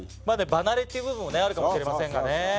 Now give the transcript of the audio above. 場慣れっていう部分もあるかもしれませんがね。